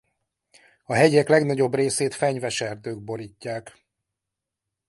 A hegyek legnagyobb részét fenyves erdők borítják.